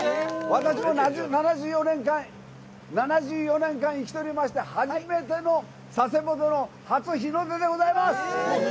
私も７４年間、生きておりまして初めての佐世保の初日の出でございます。